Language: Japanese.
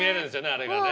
あれがね。